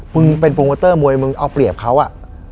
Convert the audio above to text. มึงเป็นโปรโมเตอร์มวยมึงเอาเปรียบเขาอ่ะ